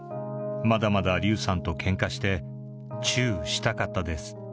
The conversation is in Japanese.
まだまだ竜さんとけんかして、チューしたかったです。